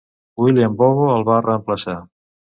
William Bobo el va reemplaçar.